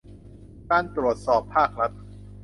การตรวจสอบภาครัฐ